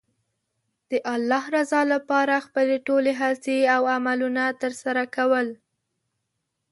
د الله رضا لپاره خپلې ټولې هڅې او عملونه ترسره کول.